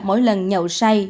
mỗi lần nhậu say